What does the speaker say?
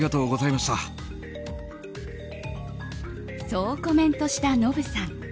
そうコメントした、ノブさん。